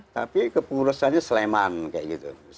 tapi kepengurusannya sleman kayak gitu